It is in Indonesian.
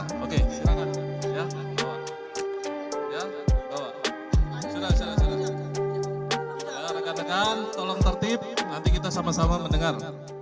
oke silahkan ya bawah ya bawah sudah sudah sudah ya rekan rekan tolong tertib nanti kita sama sama mendengar